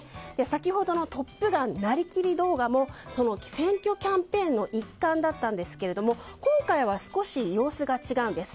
先ほどの「トップガン」なりきり動画もその選挙キャンペーンの一環だったんですけれども今回は少し様子が違うんです。